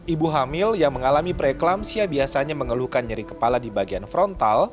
ibu hamil yang mengalami preeklampsia biasanya mengeluhkan nyeri kepala di bagian frontal